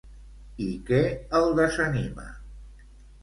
I què el desanima?